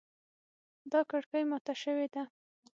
دا کړکۍ ماته شوې ده